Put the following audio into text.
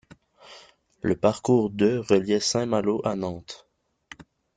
Le parcours de reliait Saint-Malo à Nantes.